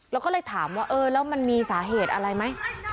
แล้วก็เลยถามว่าเออแล้วมันมีสาเหตุอะไรไหม